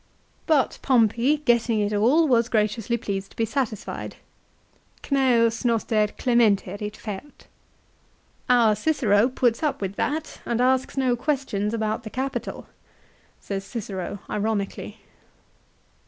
118 LIFE OF CICERO. all, was graciously pleased to be satisfied. " Cnseus noster clementer id fert." " Our Cicero puts up with that, and asks no questions about the capital," says Cicero, ironically.